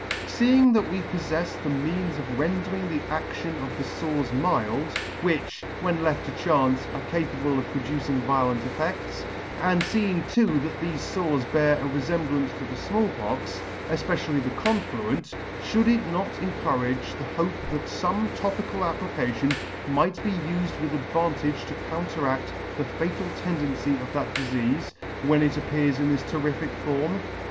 Seeing that we poffefs the means of rendering the aCtion of the 1 fores [ m 3 fores mild, which, when left to chance, are capable of pro ducing violent effects ; and feeing too that thefe fores bear a refemblance to the Small Pox, efpecially the confluent, fliould it not encourage the hope that fome topical application might be ufed with advantage to counteract the fatal tendency of that difeafe, when it appears in this terrific form